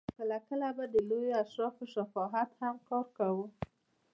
کله کله به د لویو اشرافو شفاعت هم کار کاوه.